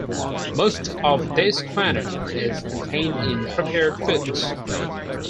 Most of this quantity is contained in prepared foods.